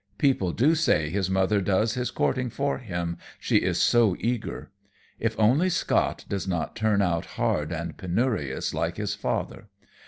People do say his mother does his courting for him, she is so eager. If only Scott does not turn out hard and penurious like his father!